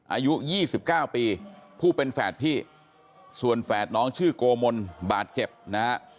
อายุ๒๙ปีผู้เป็นแฝดพี่ส่วนแฝดน้องชื่อโกมลบาดเจ็บนะฮะ